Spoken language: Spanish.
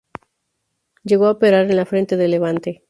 Llegó a operar en el frente de Levante.